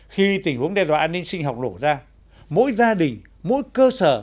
khi tình huống đe dọa an ninh sinh học nổ ra mỗi gia đình mỗi cơ sở